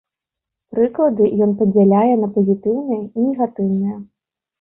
Прыклады ён падзяляе на пазітыўныя і негатыўныя.